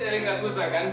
jangan tarian usahakannya